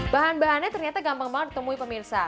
bahan bahannya ternyata gampang banget ditemui pemirsa